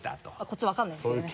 こっち分からないですけどね。